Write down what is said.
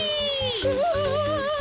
うわ。